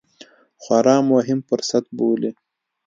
خورا مهم فرصت بولي